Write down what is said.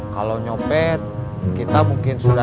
kalau nyopet kita mungkin sudah